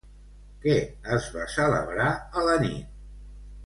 Què es va celebrar a la nit?